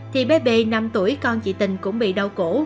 thì bé b năm tuổi con chị tình cũng bị đau cổ